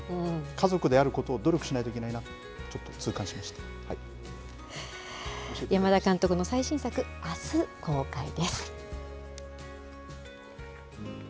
家族であることを努力しないといけないな山田監督の最新作あす公開です。